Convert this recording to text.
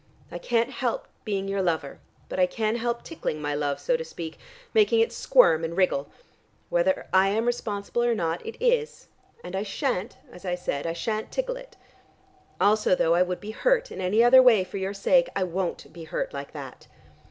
I can't help being your lover, but I can help tickling my love, so to speak, making it squirm and wriggle. Whether I am respectable or not, it is, and I shan't as I said I shan't tickle it. Also though I would be hurt in any other way for your sake, I won't be hurt like that.